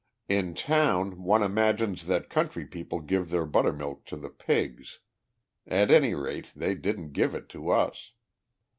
In town one imagines that country people give their buttermilk to the pigs. At any rate, they didn't give it to us.